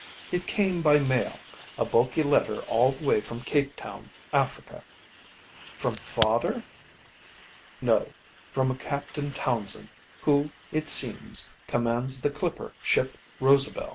"It came by mail a bulky letter all the way from Cape Town, Africa." "From father?" "No, from a Captain Townsend, who, it seems, commands the clipper ship Rosabel.